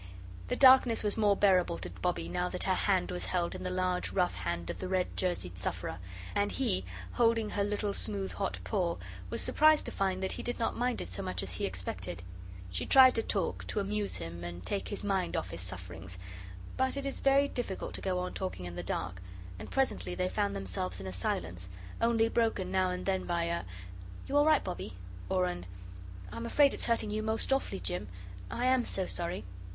The darkness was more bearable to Bobbie now that her hand was held in the large rough hand of the red jerseyed sufferer; and he, holding her little smooth hot paw, was surprised to find that he did not mind it so much as he expected. She tried to talk, to amuse him, and "take his mind off" his sufferings, but it is very difficult to go on talking in the dark, and presently they found themselves in a silence, only broken now and then by a "You all right, Bobbie?" or an "I'm afraid it's hurting you most awfully, Jim. I AM so sorry."